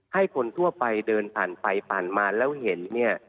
ให้คนทั่วไปเดินผ่านไปผ่านมาแล้วเห็นเนี่ย